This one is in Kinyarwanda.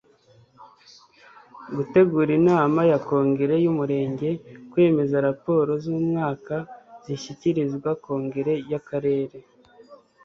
Gutegura inama ya Kongere y Umurenge Kwemeza raporo z umwaka zishyikirizwa Kongere y Akarere